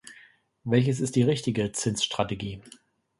Welches ist die richtige Zinsstrategie?